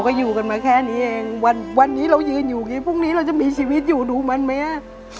ก็อยู่กันมาแค่นี้เองวันนี้เรายืนอยู่อย่างนี้พรุ่งนี้เราจะมีชีวิตอยู่ดูมันไหม